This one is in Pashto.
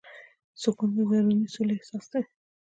سکون د دروني سولې احساس دی.